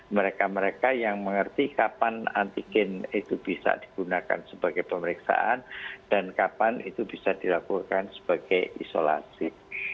mereka mereka yang mengerti kapan antigen itu bisa digunakan sebagai pemeriksaan dan kapan itu bisa dilakukan sebagai isolasi